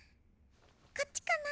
こっちかな？